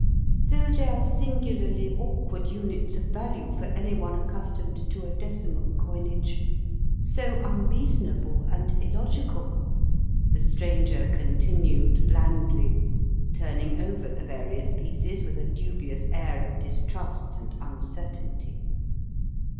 "Though they're singularly awkward units of value for any one accustomed to a decimal coinage: so unreasonable and illogical," the stranger continued blandly, turning over the various pieces with a dubious air of distrust and uncertainty.